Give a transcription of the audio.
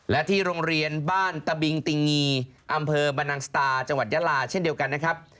และที่โรงเรียนบ้านตะบิงติงงีอำเภอบรรนังสตาจังหวัดยาลาเช่นเดียวกันนะครับ